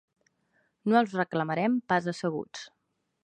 No els reclamarem pas asseguts.